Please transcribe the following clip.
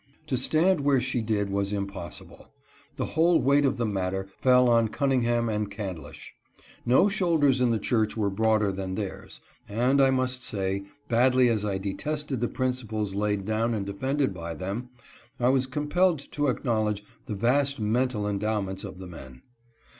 To stand where she did was impossible. The whole weight of the matter fell on Cunningham and Candlish. No shoulders in the church were broader than theirs ; and I must say, badly as I detested the principles laid down and defended by them, I was compelled to acknowledge the vast mental endow ments of the men.